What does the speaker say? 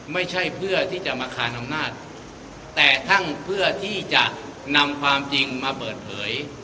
เพื่อที่จะมาคานอำนาจแต่ทั้งเพื่อที่จะนำความจริงมาเปิดเผย